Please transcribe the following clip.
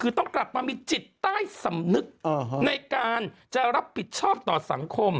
คือต้องกลับมามีจิตใต้สำนึกในการจะรับผิดชอบต่อสังคม